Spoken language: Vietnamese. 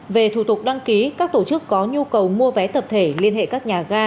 về thủ tục đăng ký các tổ chức có nhu cầu mua vé tập thể liên hệ các nhà ga